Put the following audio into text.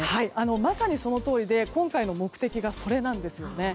まさにそのとおりで今回の目的がそれなんですね。